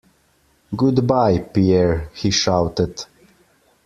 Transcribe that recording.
Goodbye, Pierre, he shouted.